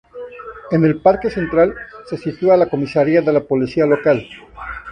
En el parque central, se sitúa la comisaria de la Policía Local.